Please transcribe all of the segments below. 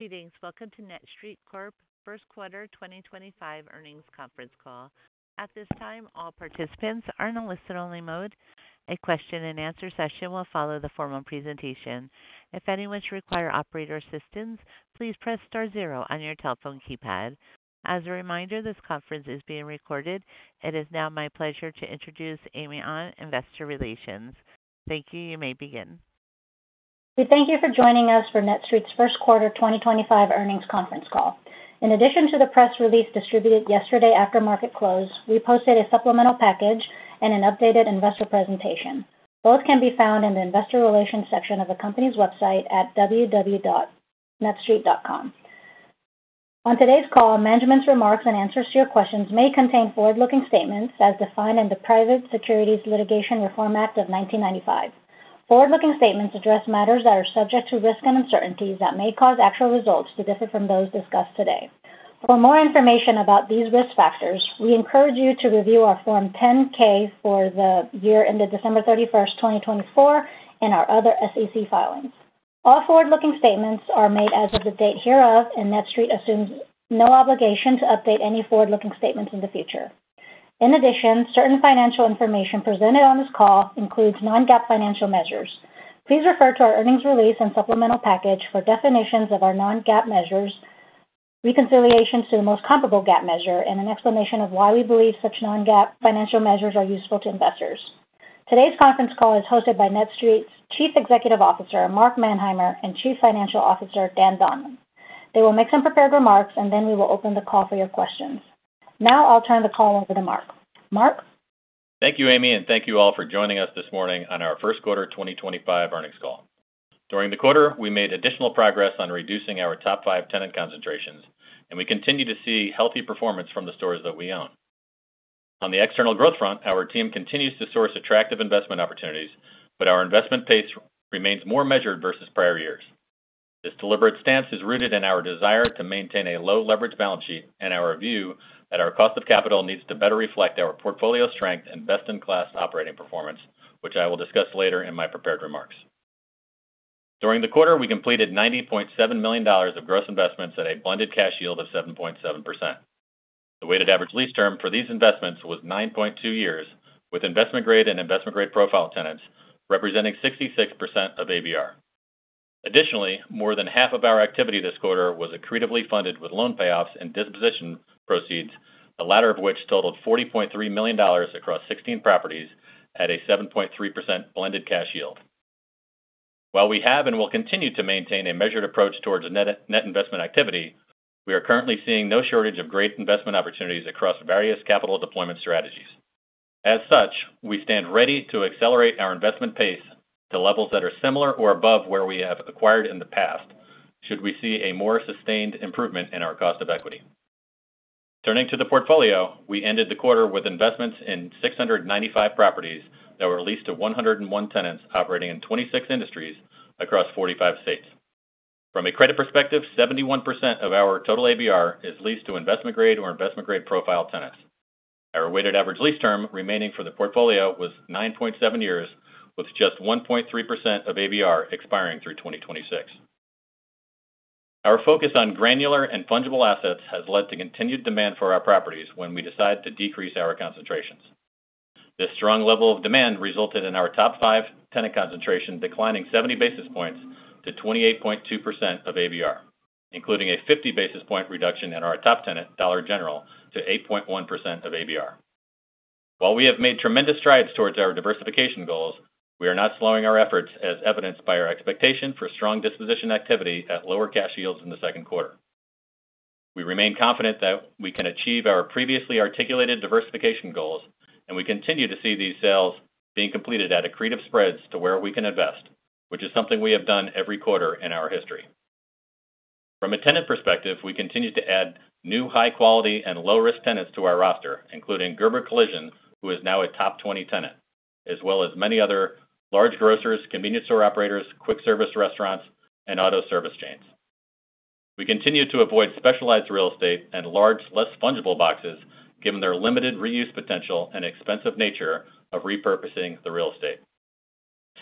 Greetings. Welcome to NETSTREIT Corp. First Quarter 2025 earnings conference call. At this time, all participants are in a listen-only mode. A question-and-answer session will follow the formal presentation. If anyone should require operator assistance, please press star zero on your telephone keypad. As a reminder, this conference is being recorded. It is now my pleasure to introduce Amy An, Investor Relations. Thank you. You may begin. We thank you for joining us for NETSTREIT's First Quarter 2025 Earnings Conference Call. In addition to the press release distributed yesterday after market close, we posted a supplemental package and an updated investor presentation. Both can be found in the Investor Relations section of the company's website at www.netstreit.com. On today's call, management's remarks and answers to your questions may contain forward-looking statements as defined in the Private Securities Litigation Reform Act of 1995. Forward-looking statements address matters that are subject to risk and uncertainties that may cause actual results to differ from those discussed today. For more information about these risk factors, we encourage you to review our Form 10-K for the year ended December 31, 2024, and our other SEC filings. All forward-looking statements are made as of the date hereof, and NETSTREIT assumes no obligation to update any forward-looking statements in the future. In addition, certain financial information presented on this call includes non-GAAP financial measures. Please refer to our earnings release and supplemental package for definitions of our non-GAAP measures, reconciliations to the most comparable GAAP measure, and an explanation of why we believe such non-GAAP financial measures are useful to investors. Today's conference call is hosted by NETSTREIT's Chief Executive Officer, Mark Manheimer, and Chief Financial Officer, Dan Donlan. They will make some prepared remarks, and then we will open the call for your questions. Now I'll turn the call over to Mark. Mark. Thank you, Amy, and thank you all for joining us this morning on our First Quarter 2025 earnings call. During the quarter, we made additional progress on reducing our top five tenant concentrations, and we continue to see healthy performance from the stores that we own. On the external growth front, our team continues to source attractive investment opportunities, but our investment pace remains more measured versus prior years. This deliberate stance is rooted in our desire to maintain a low-leverage balance sheet and our view that our cost of capital needs to better reflect our portfolio strength and best-in-class operating performance, which I will discuss later in my prepared remarks. During the quarter, we completed $90.7 million of gross investments at a blended cash yield of 7.7%. The weighted average lease term for these investments was 9.2 years, with investment-grade and investment-grade profile tenants representing 66% of ABR. Additionally, more than half of our activity this quarter was accretively funded with loan payoffs and disposition proceeds, the latter of which totaled $40.3 million across 16 properties at a 7.3% blended cash yield. While we have and will continue to maintain a measured approach towards net investment activity, we are currently seeing no shortage of great investment opportunities across various capital deployment strategies. As such, we stand ready to accelerate our investment pace to levels that are similar or above where we have acquired in the past should we see a more sustained improvement in our cost of equity. Turning to the portfolio, we ended the quarter with investments in 695 properties that were leased to 101 tenants operating in 26 industries across 45 states. From a credit perspective, 71% of our total ABR is leased to investment-grade or investment-grade profile tenants. Our weighted average lease term remaining for the portfolio was 9.7 years, with just 1.3% of ABR expiring through 2026. Our focus on granular and fungible assets has led to continued demand for our properties when we decide to decrease our concentrations. This strong level of demand resulted in our top five tenant concentration declining 70 basis points to 28.2% of ABR, including a 50 basis point reduction in our top tenant, Dollar General, to 8.1% of ABR. While we have made tremendous strides towards our diversification goals, we are not slowing our efforts, as evidenced by our expectation for strong disposition activity at lower cash yields in the second quarter. We remain confident that we can achieve our previously articulated diversification goals, and we continue to see these sales being completed at accretive spreads to where we can invest, which is something we have done every quarter in our history. From a tenant perspective, we continue to add new high-quality and low-risk tenants to our roster, including Gerber Collision, who is now a top 20 tenant, as well as many other large grocers, convenience store operators, quick-service restaurants, and auto service chains. We continue to avoid specialized real estate and large, less fungible boxes, given their limited reuse potential and expensive nature of repurposing the real estate.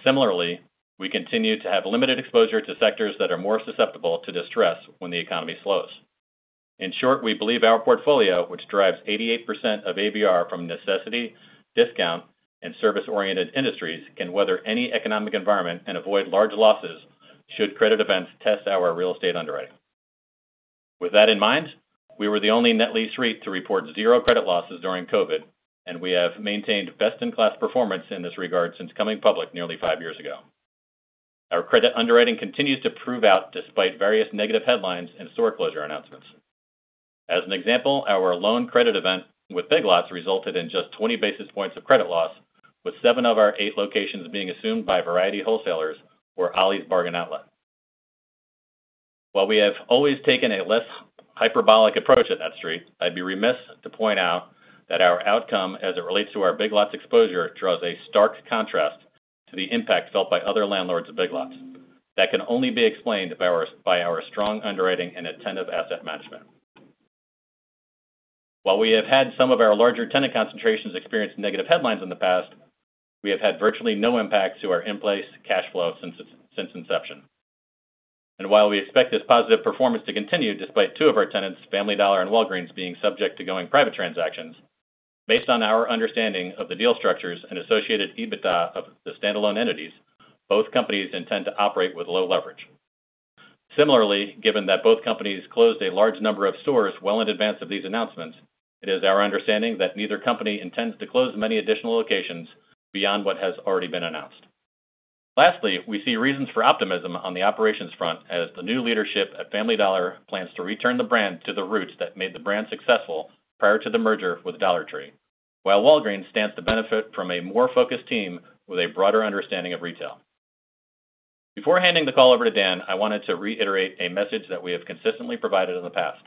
Similarly, we continue to have limited exposure to sectors that are more susceptible to distress when the economy slows. In short, we believe our portfolio, which drives 88% of ABR from necessity, discount, and service-oriented industries, can weather any economic environment and avoid large losses should credit events test our real estate underwriting. With that in mind, we were the only net lease REIT to report zero credit losses during COVID, and we have maintained best-in-class performance in this regard since coming public nearly five years ago. Our credit underwriting continues to prove out despite various negative headlines and store closure announcements. As an example, our loan credit event with Big Lots resulted in just 20 basis points of credit loss, with seven of our eight locations being assumed by Variety Wholesalers or Ollie's Bargain Outlet. While we have always taken a less hyperbolic approach at NETSTREIT, I'd be remiss to point out that our outcome as it relates to our Big Lots exposure draws a stark contrast to the impact felt by other landlords of Big Lots. That can only be explained by our strong underwriting and attentive asset management. While we have had some of our larger tenant concentrations experience negative headlines in the past, we have had virtually no impact to our in-place cash flow since inception. We expect this positive performance to continue despite two of our tenants, Family Dollar and Walgreens, being subject to going private transactions, based on our understanding of the deal structures and associated EBITDA of the standalone entities, both companies intend to operate with low leverage. Similarly, given that both companies closed a large number of stores well in advance of these announcements, it is our understanding that neither company intends to close many additional locations beyond what has already been announced. Lastly, we see reasons for optimism on the operations front as the new leadership at Family Dollar plans to return the brand to the roots that made the brand successful prior to the merger with Dollar Tree, while Walgreens stands to benefit from a more focused team with a broader understanding of retail. Before handing the call over to Dan, I wanted to reiterate a message that we have consistently provided in the past.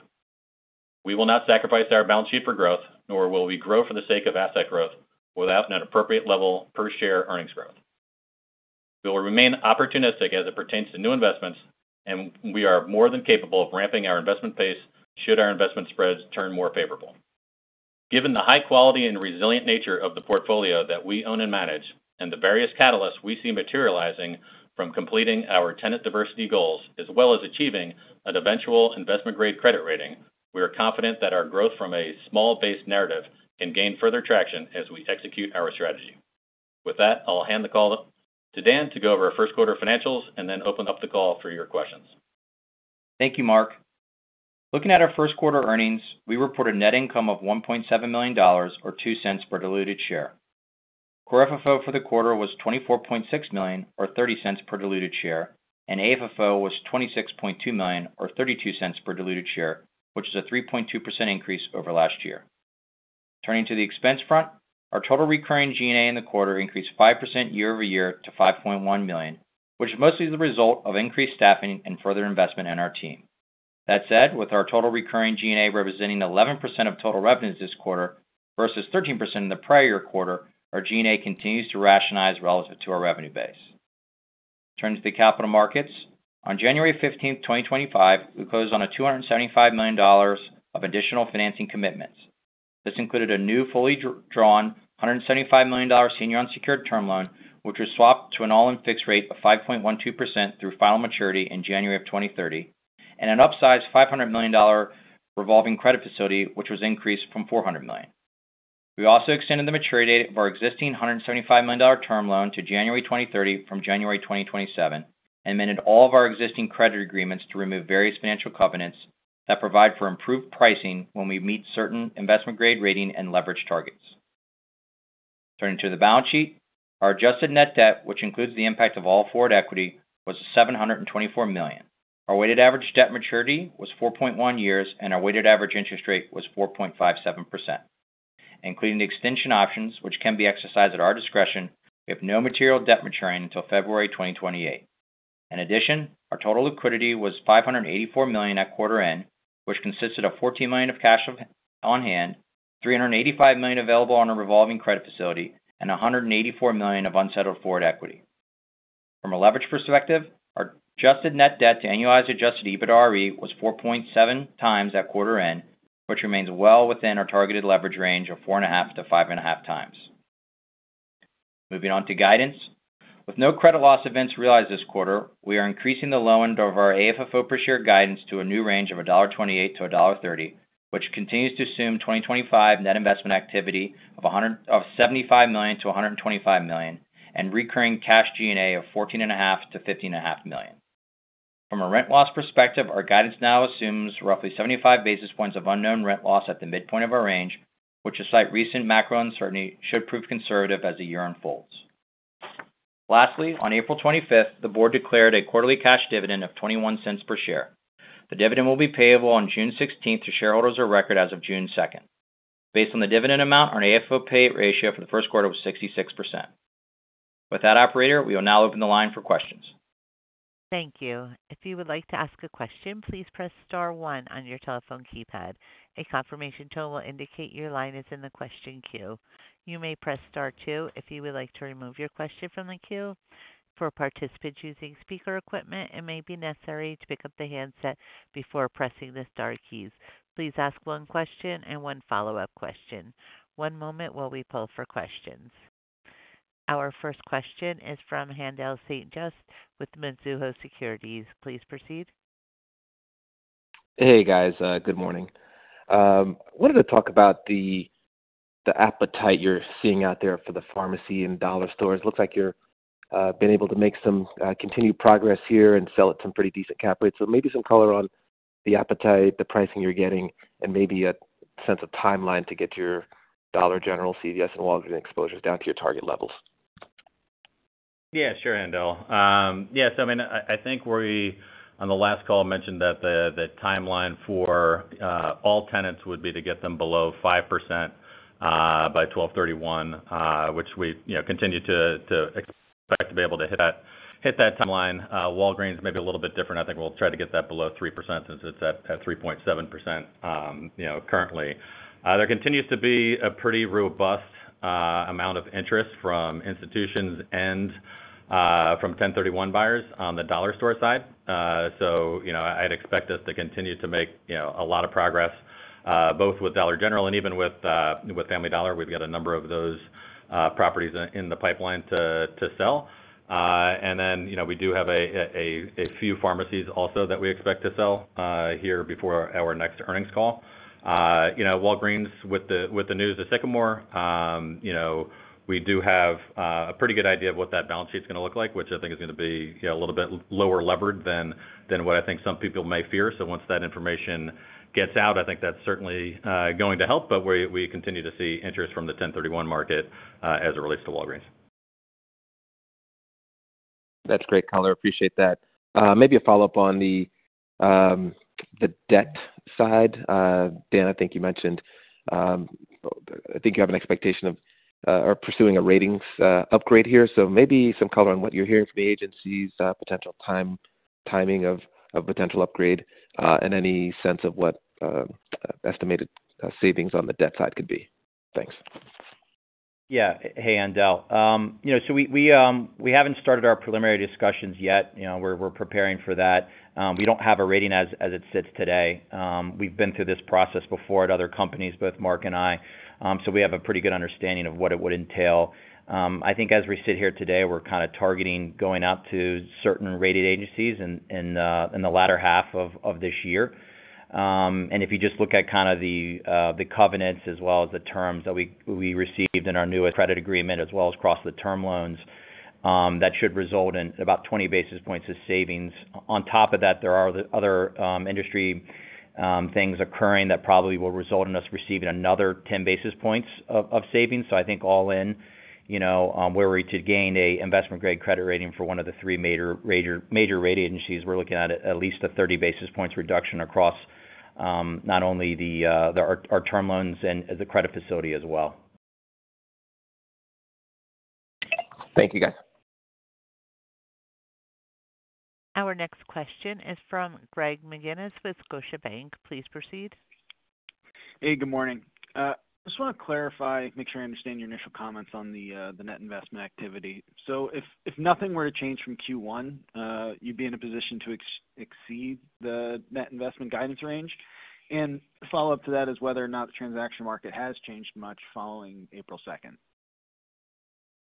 We will not sacrifice our balance sheet for growth, nor will we grow for the sake of asset growth without an appropriate level per share earnings growth. We will remain opportunistic as it pertains to new investments, and we are more than capable of ramping our investment pace should our investment spreads turn more favorable. Given the high quality and resilient nature of the portfolio that we own and manage, and the various catalysts we see materializing from completing our tenant diversity goals as well as achieving an eventual investment-grade credit rating, we are confident that our growth from a small-based narrative can gain further traction as we execute our strategy. With that, I'll hand the call to Dan to go over our first quarter financials and then open up the call for your questions. Thank you, Mark. Looking at our first quarter earnings, we reported net income of $1.7 million or $0.02 per diluted share. Core FFO for the quarter was $24.6 million or $0.30 per diluted share, and AFFO was $26.2 million or $0.32 per diluted share, which is a 3.2% increase over last year. Turning to the expense front, our total recurring G&A in the quarter increased 5% year over year to $5.1 million, which is mostly the result of increased staffing and further investment in our team. That said, with our total recurring G&A representing 11% of total revenues this quarter versus 13% in the prior year quarter, our G&A continues to rationalize relative to our revenue base. Turning to the capital markets, on January 15th, 2025, we closed on $275 million of additional financing commitments. This included a new fully drawn $175 million senior unsecured term loan, which was swapped to an all-in fixed rate of 5.12% through final maturity in January of 2030, and an upsized $500 million revolving credit facility, which was increased from $400 million. We also extended the maturity date of our existing $175 million term loan to January 2030 from January 2027 and amended all of our existing credit agreements to remove various financial covenants that provide for improved pricing when we meet certain investment-grade rating and leverage targets. Turning to the balance sheet, our adjusted net debt, which includes the impact of all forward equity, was $724 million. Our weighted average debt maturity was 4.1 years, and our weighted average interest rate was 4.57%, including the extension options, which can be exercised at our discretion if no material debt maturing until February 2028. In addition, our total liquidity was $584 million at quarter end, which consisted of $14 million of cash on hand, $385 million available on a revolving credit facility, and $184 million of unsettled forward equity. From a leverage perspective, our adjusted net debt to annualized adjusted EBITDAre was 4.7x at quarter end, which remains well within our targeted leverage range of 4.5-5.5x. Moving on to guidance, with no credit loss events realized this quarter, we are increasing the low end of our AFFO per share guidance to a new range of $1.28-$1.30, which continues to assume 2025 net investment activity of $175 million-$125 million and recurring cash G&A of $14.5-$15.5 million. From a rent loss perspective, our guidance now assumes roughly 75 basis points of unknown rent loss at the midpoint of our range, which, despite recent macro uncertainty, should prove conservative as the year unfolds. Lastly, on April 25th, the board declared a quarterly cash dividend of $0.21 per share. The dividend will be payable on June 16th to shareholders of record as of June 2nd. Based on the dividend amount, our AFFO pay ratio for the first quarter was 66%. With that, operator, we will now open the line for questions. Thank you. If you would like to ask a question, please press star one on your telephone keypad. A confirmation tone will indicate your line is in the question queue. You may press star two if you would like to remove your question from the queue. For participants using speaker equipment, it may be necessary to pick up the handset before pressing the star keys. Please ask one question and one follow-up question. One moment while we pull for questions. Our first question is from Haendel St. Juste with Mizuho Securities. Please proceed. Hey, guys. Good morning. I wanted to talk about the appetite you're seeing out there for the pharmacy and dollar stores. Looks like you've been able to make some continued progress here and sell at some pretty decent cap rates. Maybe some color on the appetite, the pricing you're getting, and maybe a sense of timeline to get your Dollar General, CVS, and Walgreens exposures down to your target levels. Yeah, sure, Handel. Yeah, so I mean, I think on the last call, I mentioned that the timeline for all tenants would be to get them below 5% by 12/31, which we continue to expect to be able to hit that timeline. Walgreens may be a little bit different. I think we'll try to get that below 3% since it's at 3.7% currently. There continues to be a pretty robust amount of interest from institutions and from 1031 buyers on the dollar store side. I'd expect us to continue to make a lot of progress both with Dollar General and even with Family Dollar. We've got a number of those properties in the pipeline to sell. We do have a few pharmacies also that we expect to sell here before our next earnings call. Walgreens, with the news of Sycamore, we do have a pretty good idea of what that balance sheet's going to look like, which I think is going to be a little bit lower levered than what I think some people may fear. Once that information gets out, I think that's certainly going to help. We continue to see interest from the 1031 market as it relates to Walgreens. That's great, color. Appreciate that. Maybe a follow-up on the debt side. Dan, I think you mentioned I think you have an expectation of pursuing a ratings upgrade here. Maybe some color on what you're hearing from the agencies, potential timing of potential upgrade, and any sense of what estimated savings on the debt side could be. Thanks. Yeah. Hey, Haendel We have not started our preliminary discussions yet. We are preparing for that. We do not have a rating as it sits today. We have been through this process before at other companies, both Mark and I, so we have a pretty good understanding of what it would entail. I think as we sit here today, we are kind of targeting going out to certain rating agencies in the latter half of this year. If you just look at the covenants as well as the terms that we received in our new credit agreement as well as across the term loans, that should result in about 20 basis points of savings. On top of that, there are other industry things occurring that probably will result in us receiving another 10 basis points of savings. I think all in, where we could gain an investment-grade credit rating for one of the three major rated agencies, we're looking at at least a 30 basis points reduction across not only our term loans and the credit facility as well. Thank you, guys. Our next question is from Greg McGinniss with Scotiabank. Please proceed. Hey, good morning. I just want to clarify, make sure I understand your initial comments on the net investment activity. If nothing were to change from Q1, you'd be in a position to exceed the net investment guidance range. The follow-up to that is whether or not the transaction market has changed much following April 2nd.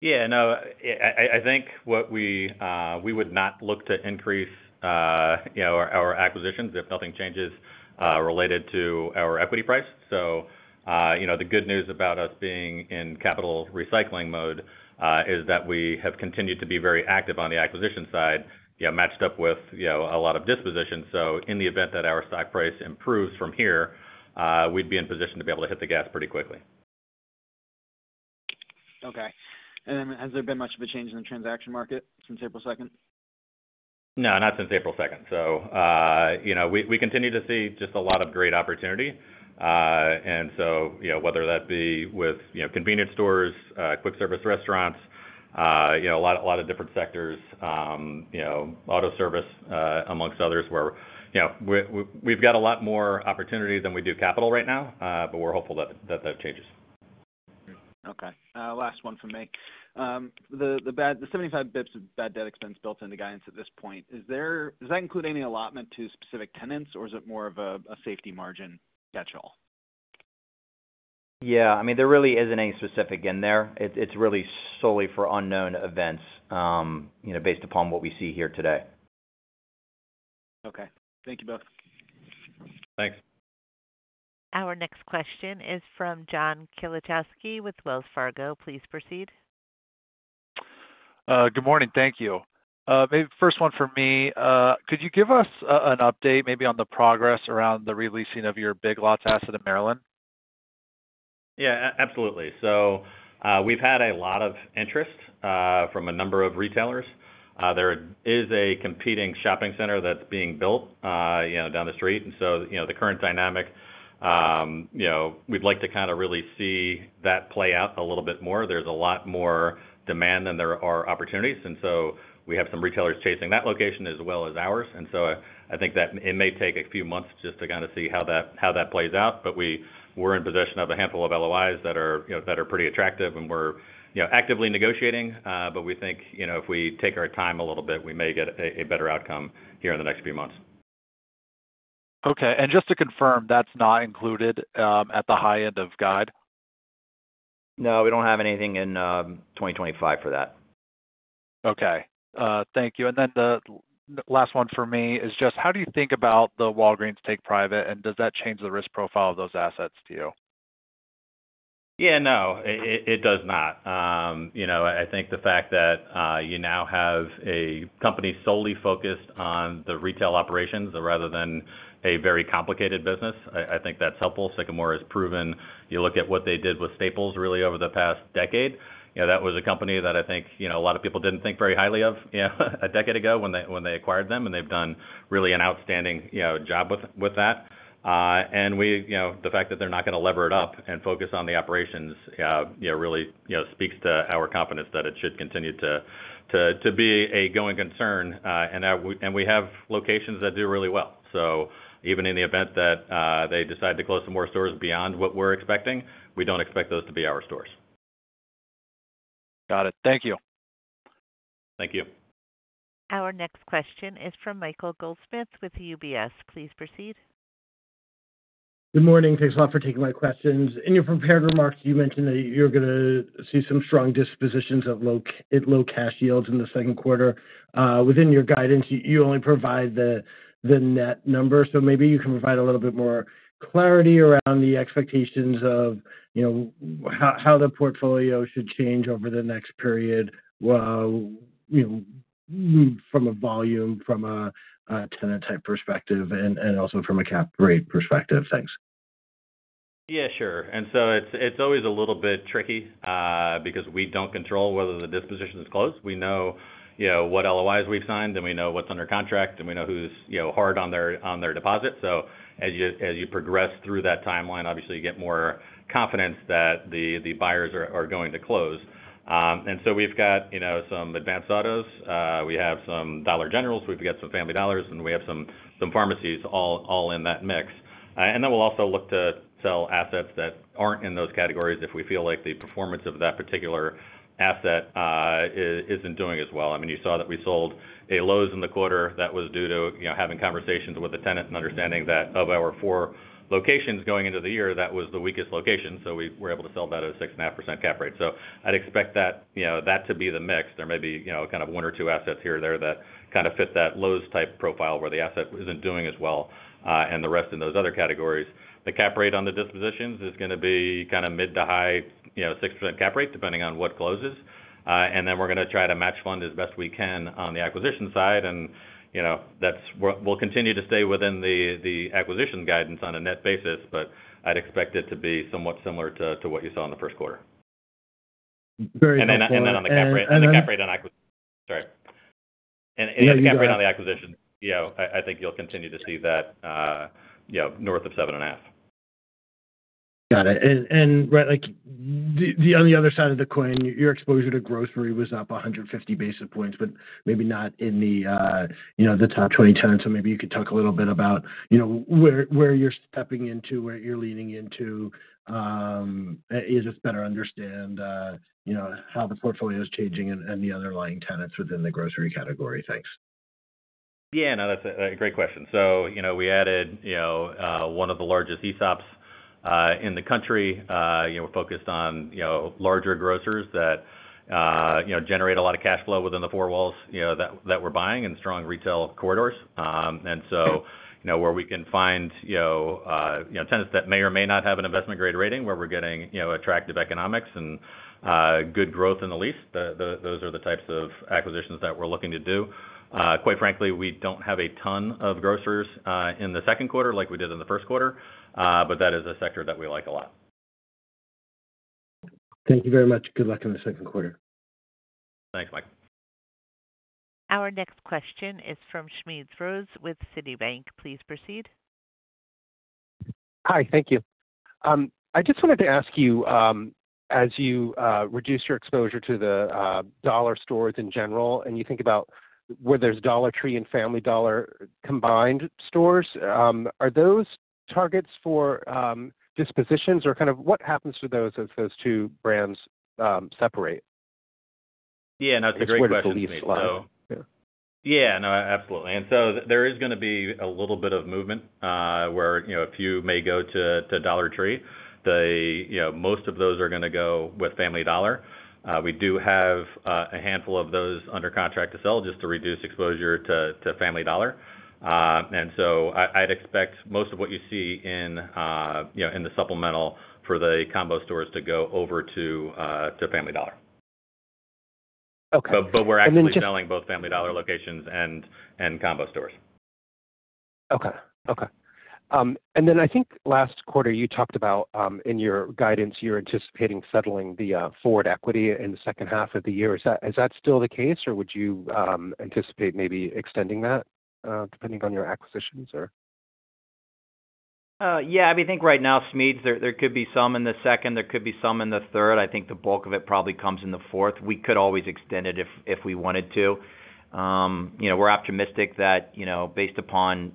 Yeah. No, I think we would not look to increase our acquisitions if nothing changes related to our equity price. The good news about us being in capital recycling mode is that we have continued to be very active on the acquisition side, matched up with a lot of disposition. In the event that our stock price improves from here, we'd be in a position to be able to hit the gas pretty quickly. Okay. Has there been much of a change in the transaction market since April 2? No, not since April 2nd. We continue to see just a lot of great opportunity. Whether that be with convenience stores, quick service restaurants, a lot of different sectors, auto service, amongst others, where we've got a lot more opportunity than we do capital right now, but we're hopeful that that changes. Okay. Last one from me. The 75 basis points of bad debt expense built into guidance at this point, does that include any allotment to specific tenants, or is it more of a safety margin catch-all? Yeah. I mean, there really isn't any specific in there. It's really solely for unknown events based upon what we see here today. Okay. Thank you both. Thanks. Our next question is from John Kilichowski with Wells Fargo. Please proceed. Good morning. Thank you. First one for me, could you give us an update maybe on the progress around the re-leasing of your Big Lots asset in Maryland? Yeah, absolutely. We've had a lot of interest from a number of retailers. There is a competing shopping center that's being built down the street. The current dynamic, we'd like to kind of really see that play out a little bit more. There's a lot more demand than there are opportunities. We have some retailers chasing that location as well as ours. I think that it may take a few months just to kind of see how that plays out. We're in possession of a handful of LOIs that are pretty attractive, and we're actively negotiating. We think if we take our time a little bit, we may get a better outcome here in the next few months. Okay. Just to confirm, that's not included at the high end of guide? No, we don't have anything in 2025 for that. Okay. Thank you. The last one for me is just, how do you think about the Walgreens take private? Does that change the risk profile of those assets to you? Yeah, no, it does not. I think the fact that you now have a company solely focused on the retail operations rather than a very complicated business, I think that's helpful. Sycamore has proven, you look at what they did with Staples really over the past decade, that was a company that I think a lot of people didn't think very highly of a decade ago when they acquired them, and they've done really an outstanding job with that. The fact that they're not going to lever it up and focus on the operations really speaks to our confidence that it should continue to be a going concern. We have locations that do really well. Even in the event that they decide to close some more stores beyond what we're expecting, we don't expect those to be our stores. Got it. Thank you. Thank you. Our next question is from Michael Goldsmith with UBS. Please proceed. Good morning. Thanks a lot for taking my questions. In your prepared remarks, you mentioned that you're going to see some strong dispositions at low cash yields in the second quarter. Within your guidance, you only provide the net number. Maybe you can provide a little bit more clarity around the expectations of how the portfolio should change over the next period from a volume, from a tenant type perspective, and also from a cap rate perspective. Thanks. Yeah, sure. It's always a little bit tricky because we don't control whether the disposition is closed. We know what LOIs we've signed, and we know what's under contract, and we know who's hard on their deposit. As you progress through that timeline, obviously, you get more confidence that the buyers are going to close. We've got some Advanced Autos. We have some Dollar Generals. We've got some Family Dollars, and we have some pharmacies all in that mix. We'll also look to sell assets that aren't in those categories if we feel like the performance of that particular asset isn't doing as well. I mean, you saw that we sold a Lowe's in the quarter that was due to having conversations with the tenant and understanding that of our four locations going into the year, that was the weakest location. We were able to sell that at a 6.5% cap rate. I'd expect that to be the mix. There may be kind of one or two assets here or there that kind of fit that Lowe's type profile where the asset isn't doing as well and the rest in those other categories. The cap rate on the dispositions is going to be kind of mid to high 6% cap rate depending on what closes. We're going to try to match fund as best we can on the acquisition side. We'll continue to stay within the acquisition guidance on a net basis, but I'd expect it to be somewhat similar to what you saw in the first quarter. Very good. On the cap rate on acquisition. Sorry. The cap rate on the acquisition, I think you'll continue to see that north of 7.5%. Got it. On the other side of the coin, your exposure to grocery was up 150 basis points, but maybe not in the top 20 tenants. Maybe you could talk a little bit about where you're stepping into, where you're leaning into. Is this to better understand how the portfolio is changing and the underlying tenants within the grocery category? Thanks. Yeah. No, that's a great question. We added one of the largest ESOPs in the country. We're focused on larger grocers that generate a lot of cash flow within the four walls that we're buying and strong retail corridors. Where we can find tenants that may or may not have an investment-grade rating where we're getting attractive economics and good growth in the lease, those are the types of acquisitions that we're looking to do. Quite frankly, we don't have a ton of grocers in the second quarter like we did in the first quarter, but that is a sector that we like a lot. Thank you very much. Good luck in the second quarter. Thanks, Mike. Our next question is from Smedes Rose with Citibank. Please proceed. Hi, thank you. I just wanted to ask you, as you reduce your exposure to the dollar stores in general, and you think about where there's Dollar Tree and Family Dollar combined stores, are those targets for dispositions or kind of what happens to those as those two brands separate? Yeah, no, it's a great question. That's where the lease flow. Yeah, no, absolutely. There is going to be a little bit of movement where a few may go to Dollar Tree. Most of those are going to go with Family Dollar. We do have a handful of those under contract to sell just to reduce exposure to Family Dollar. I'd expect most of what you see in the supplemental for the combo stores to go over to Family Dollar. Okay. We're actually selling both Family Dollar locations and combo stores. Okay. Okay. I think last quarter, you talked about in your guidance, you're anticipating settling the forward equity in the second half of the year. Is that still the case, or would you anticipate maybe extending that depending on your acquisitions? Yeah. I mean, I think right now, Smedes, there could be some in the second. There could be some in the third. I think the bulk of it probably comes in the fourth. We could always extend it if we wanted to. We're optimistic that based upon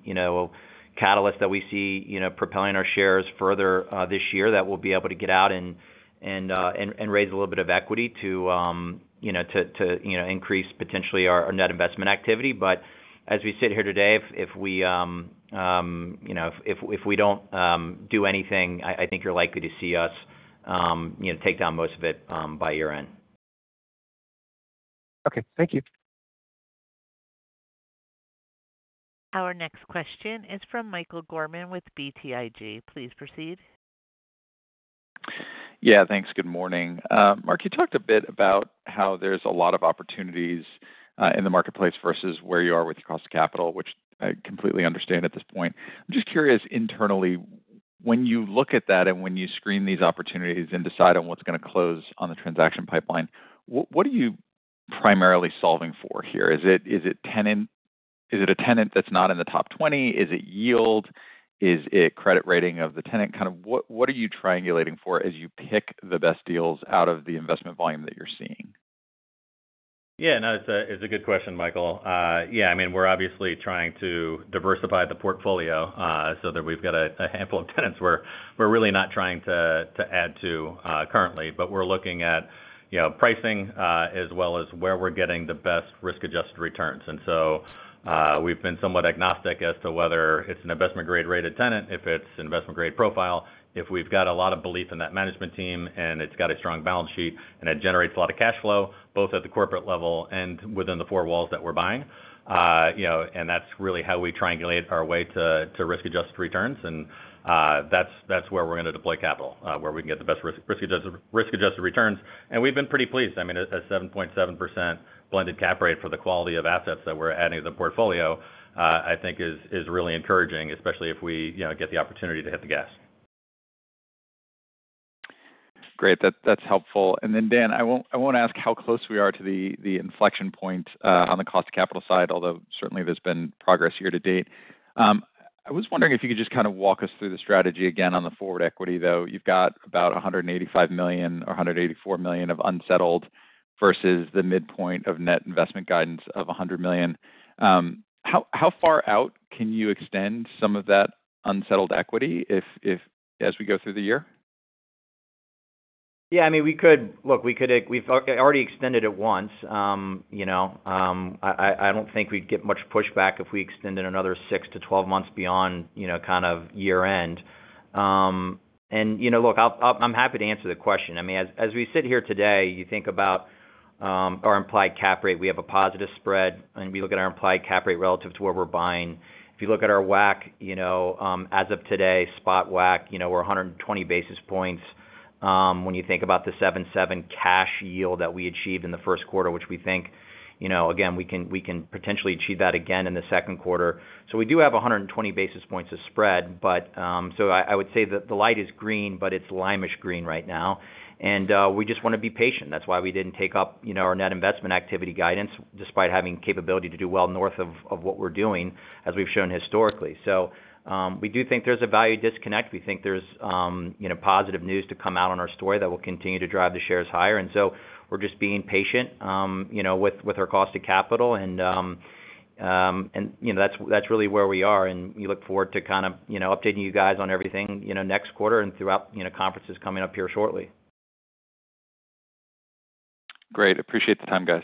catalysts that we see propelling our shares further this year, that we'll be able to get out and raise a little bit of equity to increase potentially our net investment activity. But as we sit here today, if we don't do anything, I think you're likely to see us take down most of it by year-end. Okay. Thank you. Our next question is from Michael Gorman with BTIG. Please proceed. Yeah. Thanks. Good morning. Mark, you talked a bit about how there's a lot of opportunities in the marketplace versus where you are with your cost of capital, which I completely understand at this point. I'm just curious internally, when you look at that and when you screen these opportunities and decide on what's going to close on the transaction pipeline, what are you primarily solving for here? Is it tenant? Is it a tenant that's not in the top 20? Is it yield? Is it credit rating of the tenant? Kind of what are you triangulating for as you pick the best deals out of the investment volume that you're seeing? Yeah. No, it's a good question, Michael. Yeah. I mean, we're obviously trying to diversify the portfolio so that we've got a handful of tenants. We're really not trying to add to currently, but we're looking at pricing as well as where we're getting the best risk-adjusted returns. We've been somewhat agnostic as to whether it's an investment-grade rated tenant, if it's investment-grade profile. If we've got a lot of belief in that management team and it's got a strong balance sheet and it generates a lot of cash flow both at the corporate level and within the four walls that we're buying. That's really how we triangulate our way to risk-adjusted returns. That's where we're going to deploy capital, where we can get the best risk-adjusted returns. We've been pretty pleased. I mean, a 7.7% blended cap rate for the quality of assets that we're adding to the portfolio, I think, is really encouraging, especially if we get the opportunity to hit the gas. Great. That's helpful. Dan, I want to ask how close we are to the inflection point on the cost of capital side, although certainly there's been progress year to date. I was wondering if you could just kind of walk us through the strategy again on the forward equity, though. You've got about $185 million or $184 million of unsettled versus the midpoint of net investment guidance of $100 million. How far out can you extend some of that unsettled equity as we go through the year? Yeah. I mean, look, we've already extended it once. I don't think we'd get much pushback if we extended another 6-12 months beyond kind of year-end. I mean, as we sit here today, you think about our implied cap rate, we have a positive spread. We look at our implied cap rate relative to where we're buying. If you look at our WACC as of today, spot WACC, we're 120 basis points. When you think about the 7.7% cash yield that we achieved in the first quarter, which we think, again, we can potentially achieve that again in the second quarter. We do have 120 basis points of spread. I would say that the light is green, but it's lime-ish green right now. We just want to be patient. That's why we didn't take up our net investment activity guidance despite having capability to do well north of what we're doing as we've shown historically. We do think there's a value disconnect. We think there's positive news to come out on our story that will continue to drive the shares higher. We are just being patient with our cost of capital. That's really where we are. We look forward to kind of updating you guys on everything next quarter and throughout conferences coming up here shortly. Great. Appreciate the time, guys.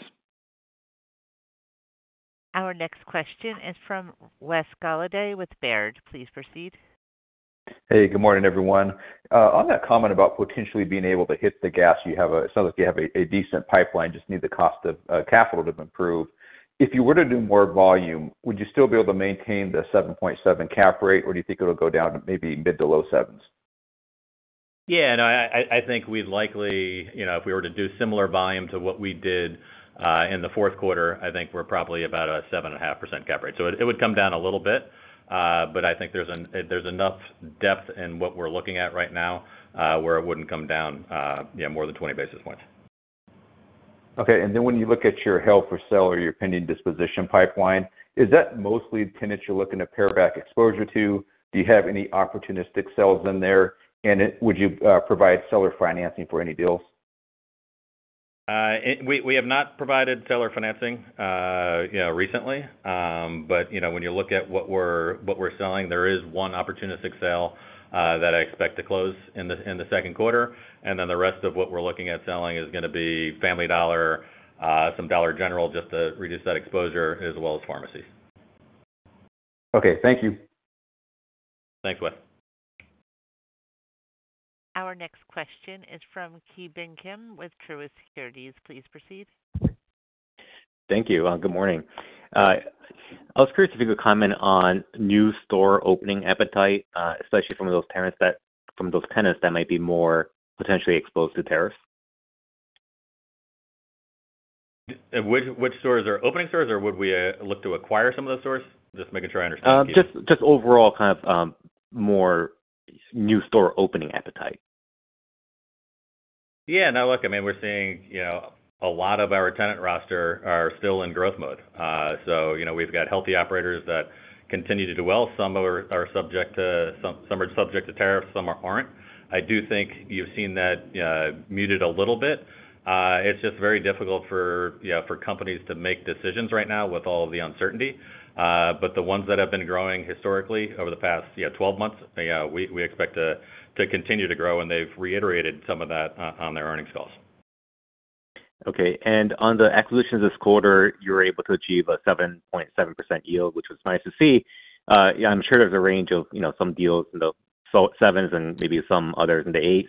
Our next question is from Wes Golladay with Baird. Please proceed. Hey, good morning, everyone. On that comment about potentially being able to hit the gas, it sounds like you have a decent pipeline, just need the cost of capital to improve. If you were to do more volume, would you still be able to maintain the 7.7% cap rate, or do you think it'll go down to maybe mid to low 7%? Yeah. No, I think we'd likely, if we were to do similar volume to what we did in the fourth quarter, I think we're probably about a 7.5% cap rate. It would come down a little bit, but I think there's enough depth in what we're looking at right now where it wouldn't come down more than 20 basis points. Okay. When you look at your health or sell or your pending disposition pipeline, is that mostly tenants you're looking to pare back exposure to? Do you have any opportunistic sales in there? Would you provide seller financing for any deals? We have not provided seller financing recently. When you look at what we're selling, there is one opportunistic sale that I expect to close in the second quarter. The rest of what we're looking at selling is going to be Family Dollar, some Dollar General just to reduce that exposure, as well as pharmacies. Okay. Thank you. Thanks, Wes. Our next question is from Ki Bin Kim with Truist Securities. Please proceed. Thank you. Good morning. I was curious if you could comment on new store opening appetite, especially from those tenants that might be more potentially exposed to tariffs. Which stores are opening stores, or would we look to acquire some of those stores? Just making sure I understand. Just overall kind of more new store opening appetite. Yeah. No, look, I mean, we're seeing a lot of our tenant roster are still in growth mode. We've got healthy operators that continue to do well. Some are subject to tariffs. Some aren't. I do think you've seen that muted a little bit. It's just very difficult for companies to make decisions right now with all of the uncertainty. The ones that have been growing historically over the past 12 months, we expect to continue to grow. They've reiterated some of that on their earnings calls. Okay. On the acquisitions this quarter, you were able to achieve a 7.7% yield, which was nice to see. I'm sure there's a range of some deals in the 7s and maybe some others in the 8s.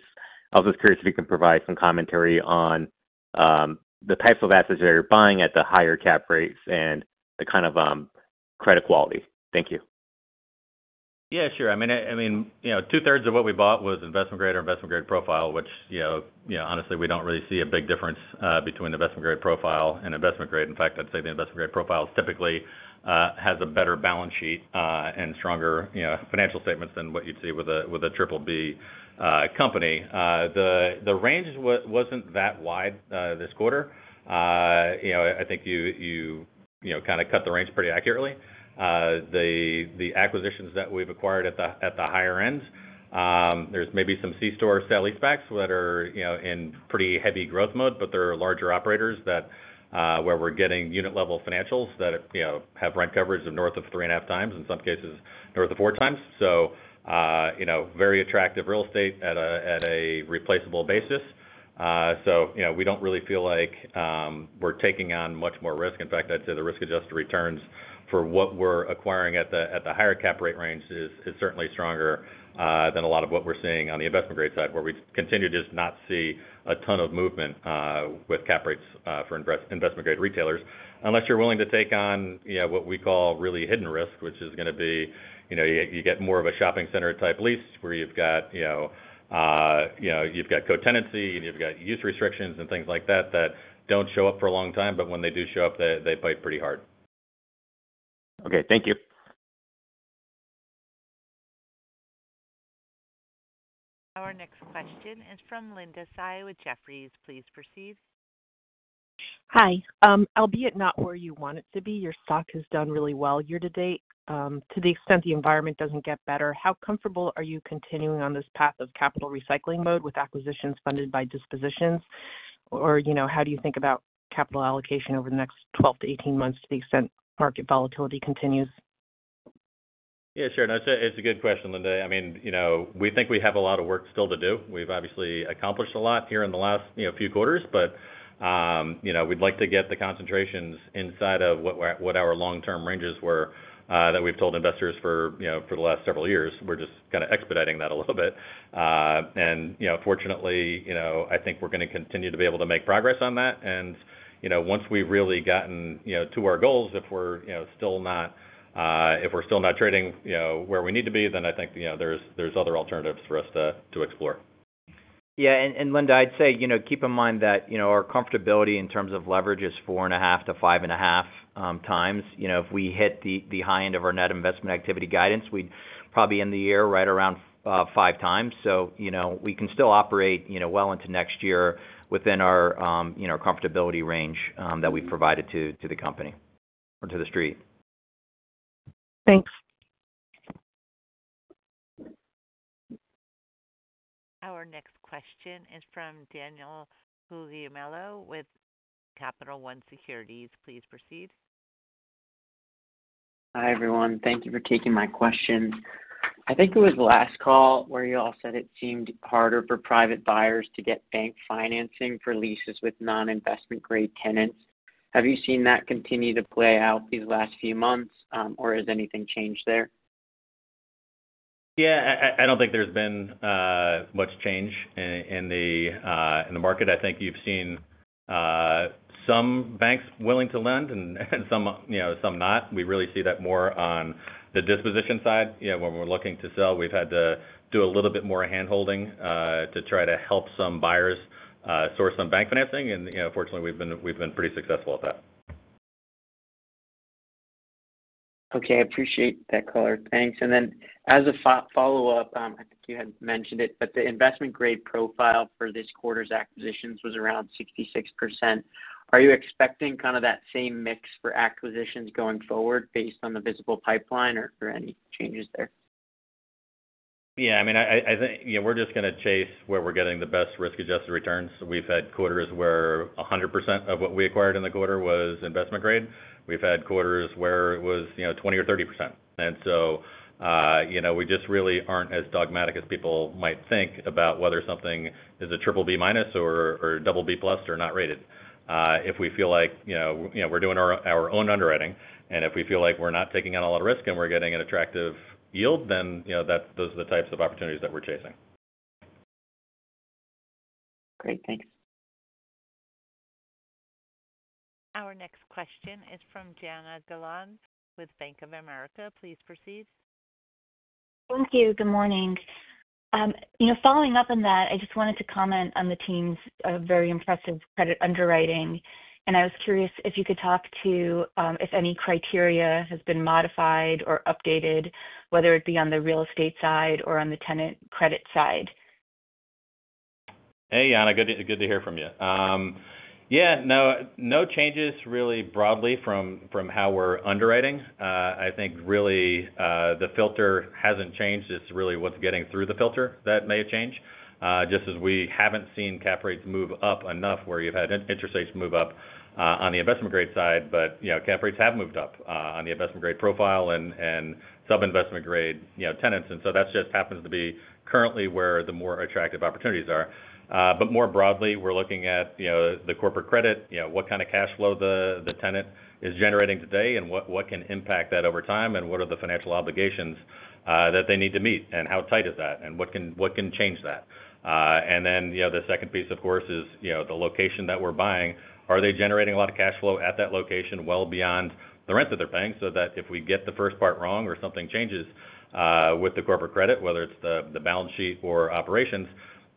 I was just curious if you can provide some commentary on the types of assets that you're buying at the higher cap rates and the kind of credit quality. Thank you. Yeah, sure. I mean, two-thirds of what we bought was investment-grade or investment-grade profile, which honestly, we don't really see a big difference between investment-grade profile and investment-grade. In fact, I'd say the investment-grade profile typically has a better balance sheet and stronger financial statements than what you'd see with a triple-B company. The range was not that wide this quarter. I think you kind of cut the range pretty accurately. The acquisitions that we've acquired at the higher end, there's maybe some C-store sale lease backs that are in pretty heavy growth mode, but they're larger operators where we're getting unit-level financials that have rent coverage of north of 3/2 times, in some cases north of four times. Very attractive real estate at a replaceable basis. We don't really feel like we're taking on much more risk. In fact, I'd say the risk-adjusted returns for what we're acquiring at the higher cap rate range is certainly stronger than a lot of what we're seeing on the investment-grade side where we continue to just not see a ton of movement with cap rates for investment-grade retailers. Unless you're willing to take on what we call really hidden risk, which is going to be you get more of a shopping center-type lease where you've got co-tenancy and you've got use restrictions and things like that that don't show up for a long time, but when they do show up, they bite pretty hard. Okay. Thank you. Our next question is from Linda Tsai with Jefferies. Please proceed. Hi. Albeit not where you want it to be, your stock has done really well year to date. To the extent the environment doesn't get better, how comfortable are you continuing on this path of capital recycling mode with acquisitions funded by dispositions? How do you think about capital allocation over the next 12 to 18 months to the extent market volatility continues? Yeah, sure. No, it's a good question, Linda. I mean, we think we have a lot of work still to do. We've obviously accomplished a lot here in the last few quarters, but we'd like to get the concentrations inside of what our long-term ranges were that we've told investors for the last several years. We're just kind of expediting that a little bit. Fortunately, I think we're going to continue to be able to make progress on that. Once we've really gotten to our goals, if we're still not trading where we need to be, then I think there's other alternatives for us to explore. Yeah. Linda, I'd say keep in mind that our comfortability in terms of leverage is 4.5-5.5x. If we hit the high end of our net investment activity guidance, we'd probably end the year right around 5x. We can still operate well into next year within our comfortability range that we've provided to the company or to the street. Thanks. Our next question is from Daniel Julio Mello with Capital One Securities. Please proceed. Hi, everyone. Thank you for taking my question. I think it was last call where you all said it seemed harder for private buyers to get bank financing for leases with non-investment-grade tenants. Have you seen that continue to play out these last few months, or has anything changed there? Yeah. I don't think there's been much change in the market. I think you've seen some banks willing to lend and some not. We really see that more on the disposition side. When we're looking to sell, we've had to do a little bit more handholding to try to help some buyers source some bank financing. Fortunately, we've been pretty successful at that. Okay. I appreciate that color. Thanks. As a follow-up, I think you had mentioned it, but the investment-grade profile for this quarter's acquisitions was around 66%. Are you expecting kind of that same mix for acquisitions going forward based on the visible pipeline or any changes there? Yeah. I mean, I think we're just going to chase where we're getting the best risk-adjusted returns. We've had quarters where 100% of what we acquired in the quarter was investment-grade. We've had quarters where it was 20% or 30%. I mean, we just really aren't as dogmatic as people might think about whether something is a triple-B minus or double-B plus or not rated. If we feel like we're doing our own underwriting and if we feel like we're not taking on a lot of risk and we're getting an attractive yield, then those are the types of opportunities that we're chasing. Great. Thanks. Our next question is from Jana Galan with Bank of America. Please proceed. Thank you. Good morning. Following up on that, I just wanted to comment on the team's very impressive credit underwriting. I was curious if you could talk to if any criteria has been modified or updated, whether it be on the real estate side or on the tenant credit side. Hey, Jana. Good to hear from you. Yeah. No changes really broadly from how we're underwriting. I think really the filter hasn't changed. It's really what's getting through the filter that may have changed. Just as we haven't seen cap rates move up enough where you've had interest rates move up on the investment-grade side, but cap rates have moved up on the investment-grade profile and sub-investment-grade tenants. That just happens to be currently where the more attractive opportunities are. More broadly, we're looking at the corporate credit, what kind of cash flow the tenant is generating today and what can impact that over time and what are the financial obligations that they need to meet and how tight is that and what can change that. The second piece, of course, is the location that we're buying. Are they generating a lot of cash flow at that location well beyond the rent that they're paying so that if we get the first part wrong or something changes with the corporate credit, whether it's the balance sheet or operations,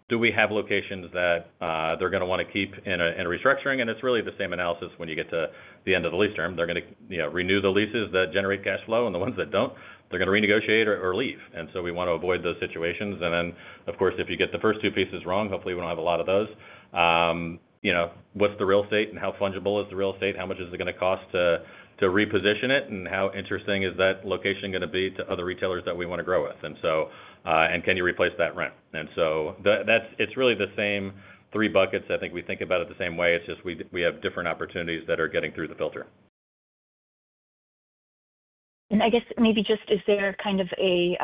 do we have locations that they're going to want to keep in restructuring? It's really the same analysis when you get to the end of the lease term. They're going to renew the leases that generate cash flow. The ones that don't, they're going to renegotiate or leave. We want to avoid those situations. If you get the first two pieces wrong, hopefully, we don't have a lot of those. What's the real estate and how fungible is the real estate? How much is it going to cost to reposition it? How interesting is that location going to be to other retailers that we want to grow with? Can you replace that rent? It is really the same three buckets. I think we think about it the same way. We just have different opportunities that are getting through the filter. I guess maybe just is there kind of a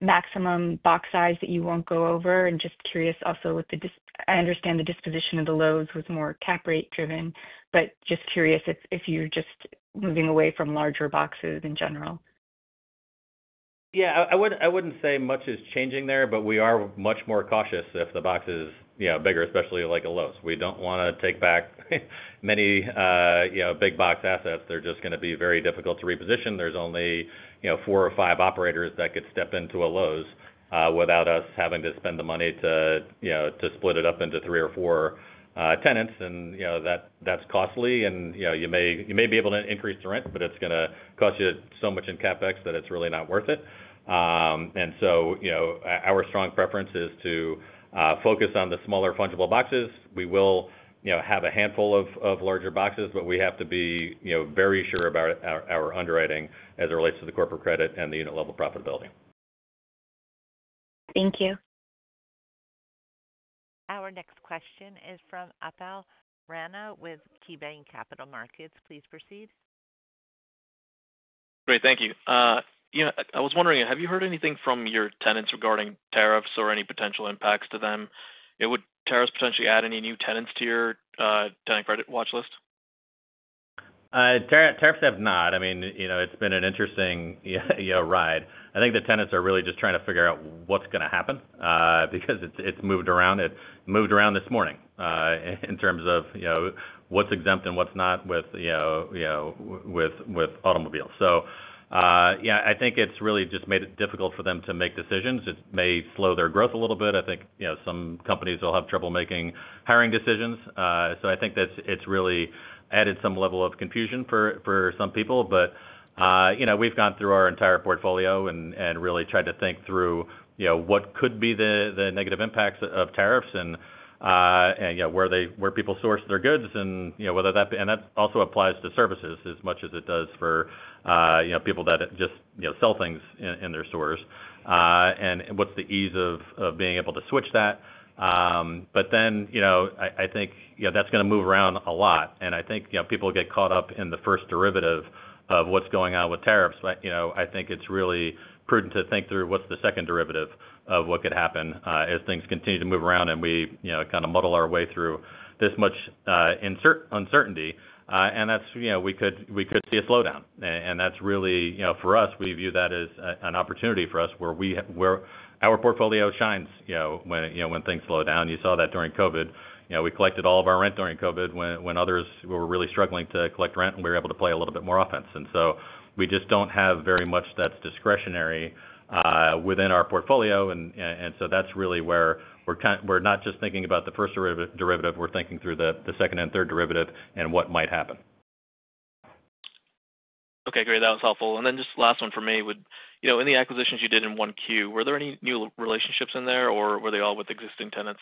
maximum box size that you won't go over? I am just curious also with the I understand the disposition of the Lowe's was more cap rate driven, but just curious if you're just moving away from larger boxes in general. Yeah. I would not say much is changing there, but we are much more cautious if the box is bigger, especially like a Lowe's. We do not want to take back many big box assets. They are just going to be very difficult to reposition. There are only four or five operators that could step into a Lowe's without us having to spend the money to split it up into three or four tenants. That is costly. You may be able to increase the rent, but it is going to cost you so much in CapEx that it is really not worth it. Our strong preference is to focus on the smaller fungible boxes. We will have a handful of larger boxes, but we have to be very sure about our underwriting as it relates to the corporate credit and the unit-level profitability. Thank you. Our next question is from Upal Rana with KeyBanc Capital Markets. Please proceed. Great. Thank you. I was wondering, have you heard anything from your tenants regarding tariffs or any potential impacts to them? Would tariffs potentially add any new tenants to your tenant credit watch list? Tariffs have not. I mean, it's been an interesting ride. I think the tenants are really just trying to figure out what's going to happen because it's moved around. It moved around this morning in terms of what's exempt and what's not with automobiles. Yeah, I think it's really just made it difficult for them to make decisions. It may slow their growth a little bit. I think some companies will have trouble making hiring decisions. I think it's really added some level of confusion for some people. We have gone through our entire portfolio and really tried to think through what could be the negative impacts of tariffs and where people source their goods and whether that also applies to services as much as it does for people that just sell things in their stores. What's the ease of being able to switch that? I think that's going to move around a lot. I think people get caught up in the first derivative of what's going on with tariffs. I think it's really prudent to think through what's the second derivative of what could happen as things continue to move around and we kind of muddle our way through this much uncertainty. We could see a slowdown. That's really for us, we view that as an opportunity for us where our portfolio shines when things slow down. You saw that during COVID. We collected all of our rent during COVID when others were really struggling to collect rent and we were able to play a little bit more offense. We just don't have very much that's discretionary within our portfolio. That's really where we're not just thinking about the first derivative. We're thinking through the second and third derivative and what might happen. Okay. Great. That was helpful. Just last one for me, would any acquisitions you did in Q1, were there any new relationships in there or were they all with existing tenants?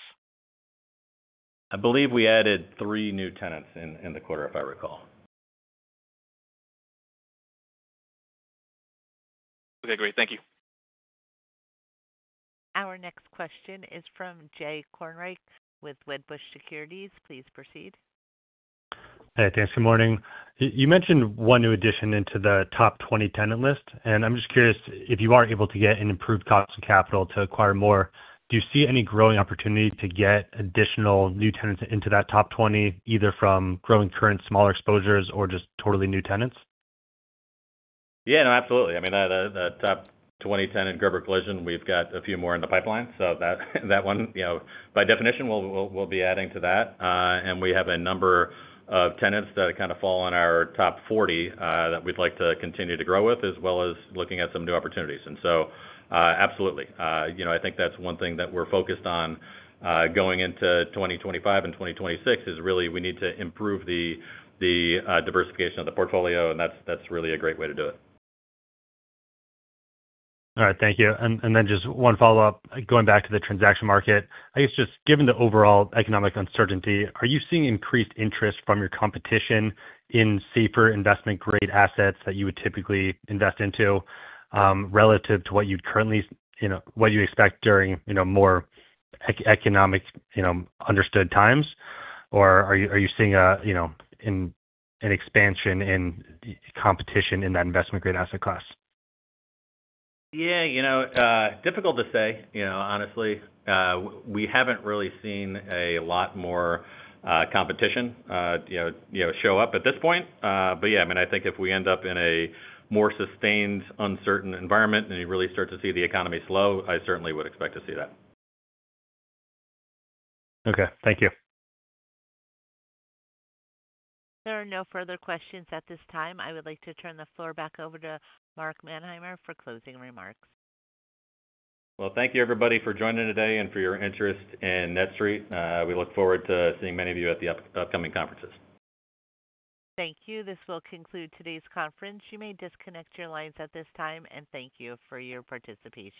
I believe we added three new tenants in the quarter, if I recall. Okay. Great. Thank you. Our next question is from Jay Kornreich with Wedbush Securities. Please proceed. Hi, thanks. Good morning. You mentioned one new addition into the top 20 tenant list. I'm just curious if you are able to get an improved cost of capital to acquire more, do you see any growing opportunity to get additional new tenants into that top 20, either from growing current smaller exposures or just totally new tenants? Yeah. No, absolutely. I mean, the top 20 tenant Gerber Collision, we've got a few more in the pipeline. That one, by definition, we'll be adding to that. We have a number of tenants that kind of fall on our top 40 that we'd like to continue to grow with as well as looking at some new opportunities. Absolutely. I think that's one thing that we're focused on going into 2025 and 2026 is really we need to improve the diversification of the portfolio. That's really a great way to do it. All right. Thank you. Just one follow-up going back to the transaction market. I guess just given the overall economic uncertainty, are you seeing increased interest from your competition in safer investment-grade assets that you would typically invest into relative to what you'd currently expect during more economically understood times? Are you seeing an expansion in competition in that investment-grade asset class? Yeah. Difficult to say, honestly. We haven't really seen a lot more competition show up at this point. Yeah, I mean, I think if we end up in a more sustained uncertain environment and you really start to see the economy slow, I certainly would expect to see that. Okay. Thank you. There are no further questions at this time. I would like to turn the floor back over to Mark Manheimer for closing remarks. Thank you, everybody, for joining today and for your interest in NETSTREIT. We look forward to seeing many of you at the upcoming conferences. Thank you. This will conclude today's conference. You may disconnect your lines at this time. Thank you for your participation.